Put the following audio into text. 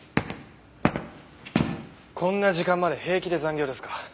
こんな時間まで平気で残業ですか？